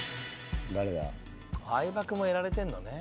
相葉君もやられてんのね。